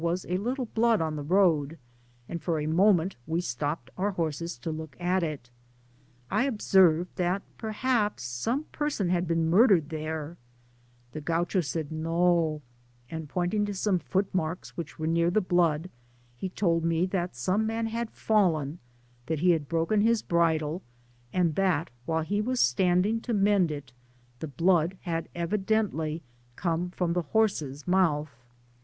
S57 a little blood on the road, and for a moment we stopped our horses to look at it; I observed, that perhaps some person had been murdered there; the Gaucho said, *« No ;"" and pointing to some foot marks which were near the blood, he told me that some man had fallen, that he had broken his bridle, and that, while he was standing to mend it^ the blood had evidently come from thehorse^s mouth.